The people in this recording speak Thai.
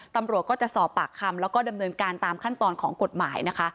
ตำรวจก็จะสอบปากคำแล้วก็ดำเนินการตามขั้นตอนของกฎหมายนะคะ